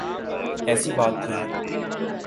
ایسی بات تھی۔